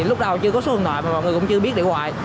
lúc đầu chưa có số thông thoại mà mọi người cũng chưa biết để hoài